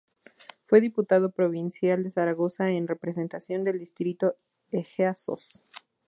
Fue Diputado Provincial de Zaragoza en representación del distrito Ejea-Sos.